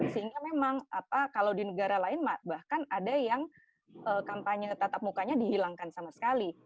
sehingga memang kalau di negara lain bahkan ada yang kampanye tatap mukanya dihilangkan sama sekali